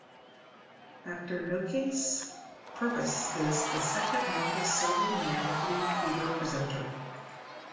After Noakes, Purves is the second longest serving male Blue Peter presenter.